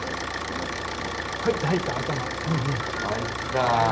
入った入った頭。